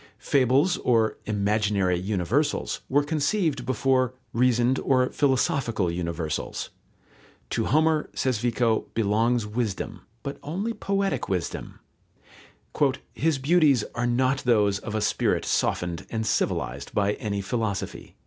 Fables or "imaginary universals" were conceived before "reasoned or philosophical universals." To Homer, says Vico, belongs wisdom, but only poetic wisdom. "His beauties are not those of a spirit softened and civilized by any philosophy."